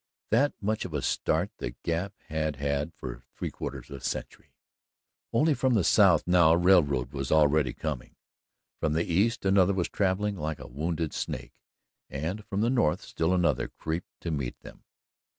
That much of a start the gap had had for three quarters of a century only from the south now a railroad was already coming; from the east another was travelling like a wounded snake and from the north still another creeped to meet them.